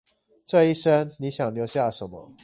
這一生你想留下什麼？